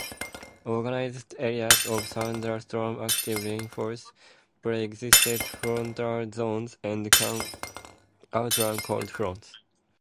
Organized areas of thunderstorm activity reinforce pre-existing frontal zones, and can outrun cold fronts.